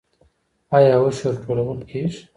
آیا عشر ټولول کیږي؟